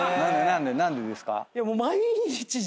何でですか？